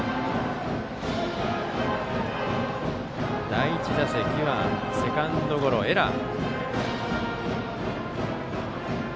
第１打席はセカンドゴロ、エラー。